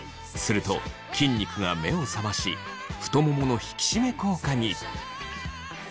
すると筋肉が目を覚まし太ももの引き締め効果に。